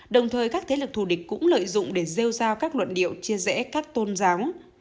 đồng thời các thế lực thù địch cũng lợi dụng để rêu ra các luận điệu chia rẽ các tôn giáo